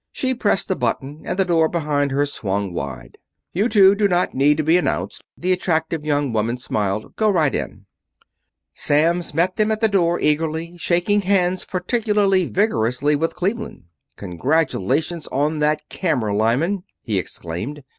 She pressed a button and the door behind her swung wide. "You two do not need to be announced," the attractive young woman smiled. "Go right in." Samms met them at the door eagerly, shaking hands particularly vigorously with Cleveland. "Congratulations on that camera, Lyman!" he exclaimed.